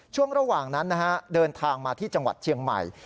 ช่วงระหว่างนั้นนะฮะเดินทางมาที่จังหวัดเชียงใหม่